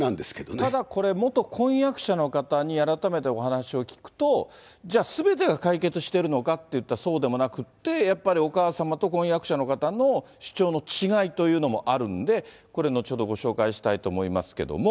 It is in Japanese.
ただこれ、元婚約者の方に改めてお話を聴くと、じゃあ、すべてが解決してるのかといったらそうでもなくって、やっぱりお母様と婚約者の方の主張の違いというのもあるんで、これ、後ほどご紹介したいと思いますけれども。